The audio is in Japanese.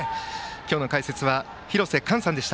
今日の解説は廣瀬寛さんでした。